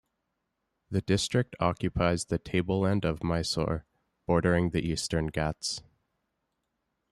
The district occupies the tableland of Mysore, bordering the Eastern Ghats.